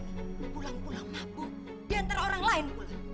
pulang pulang mabuk diantara orang lain